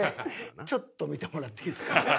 ちょっと見てもらっていいですか。